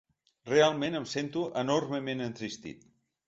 Realment em sento enormement entristit.